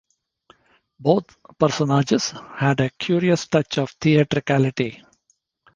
Both personages had a curious touch of theatricality.